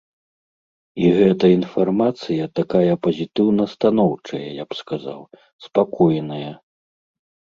І гэта інфармацыя такая пазітыўна-станоўчая я б сказаў, спакойная.